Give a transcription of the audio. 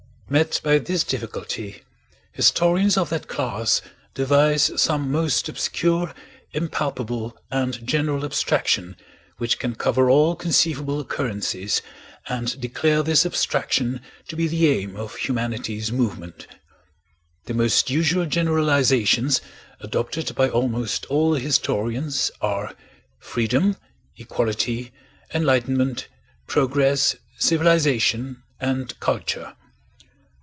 Met by this difficulty historians of that class devise some most obscure, impalpable, and general abstraction which can cover all conceivable occurrences, and declare this abstraction to be the aim of humanity's movement. The most usual generalizations adopted by almost all the historians are: freedom, equality, enlightenment, progress, civilization, and culture.